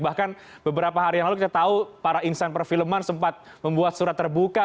bahkan beberapa hari yang lalu kita tahu para insan perfilman sempat membuat surat terbuka